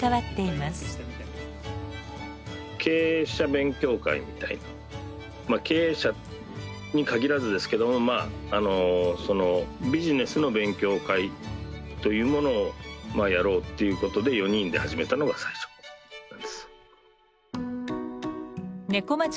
まあ経営者に限らずですけどもまああのそのビジネスの勉強会というものをまあやろうっていうことで４人で始めたのが最初なんです。